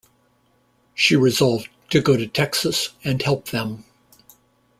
She resolved to go to Texas, and help them.